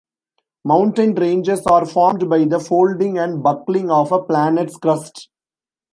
Mountain ranges are formed by the folding and buckling of a planet's crust.